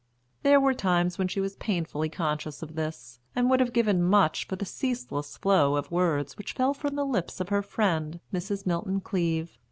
There were times when she was painfully conscious of this, and would have given much for the ceaseless flow of words which fell from the lips of her friend Mrs. Milton Cleave.